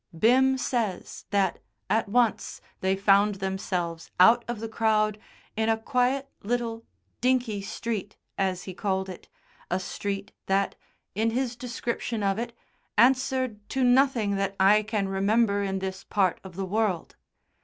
Bim says that, at once, they found themselves out of the crowd in a quiet, little "dinky" street, as he called it, a street that, in his description of it, answered to nothing that I can remember in this part of the world.